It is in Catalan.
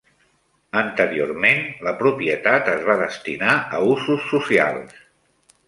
Anteriorment, la propietat es va destinar a usos socials.